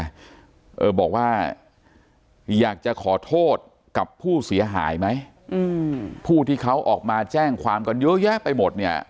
เออบอกว่าอยากจะขอโทษกับผู้เสียหายไหมอืมผู้ที่เขาออกมาแจ้งความกันเยอะแยะไปหมดเนี่ย